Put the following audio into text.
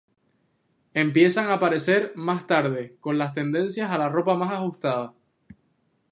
Empiezan a aparecer más tarde con las tendencias a la ropa más ajustada.